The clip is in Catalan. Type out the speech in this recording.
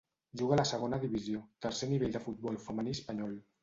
Juga a la Segona Divisió, tercer nivell del futbol femení espanyol.